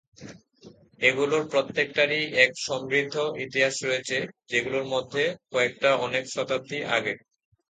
এগুলোর প্রত্যেকটারই এক সমৃদ্ধ ইতিহাস রয়েছে, যেগুলোর মধ্যে কয়েকটা অনেক শতাব্দী আগের।